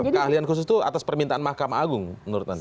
jadi memang keahlian khusus itu atas permintaan makam agung menurut anda